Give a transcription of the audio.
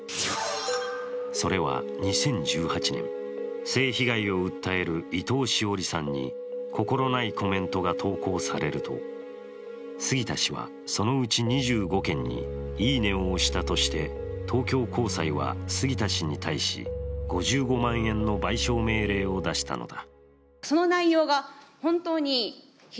それは２０１８年、性被害を訴える伊藤詩織さんに心ないコメントが投稿されると、杉田氏は、そのうち２５件に「いいね」を押したとして東京高裁は、杉田氏に５５万円の賠償命令を出したのだ。